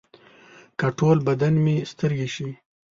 که ټول بدن مې سترګې شي.